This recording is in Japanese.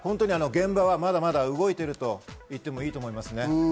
現場は、まだまだ動いているといってもいいですね。